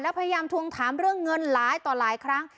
พยายามทวงถามเรื่องเงินหลายต่อหลายครั้ง